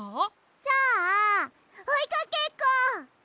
じゃあおいかけっこ。